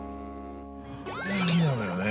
◆好きなのよね。